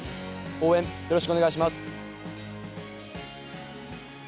応援よろしくお願いします。